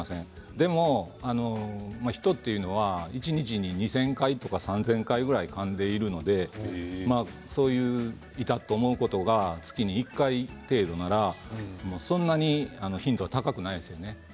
でも人というのは一日に２０００回、３０００回ぐらいかんでいるので痛いと思うことが月に１回程度ならそんなに頻度は高くないですよね。